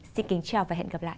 xin kính chào và hẹn gặp lại